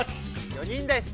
４人です。